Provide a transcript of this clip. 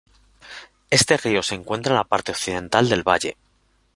Este río se encuentra en la parte occidental del valle.